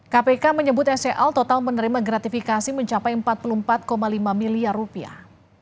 kpk menyebut sel total menerima gratifikasi mencapai empat puluh empat lima miliar rupiah